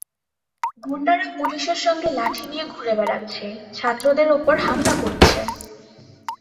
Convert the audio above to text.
গুন্ডারা পুলিশের সঙ্গে লাঠি নিয়ে ঘুরে বেড়াচ্ছে, ছাত্রদের ওপর হামলা করছে।